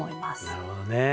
なるほどね。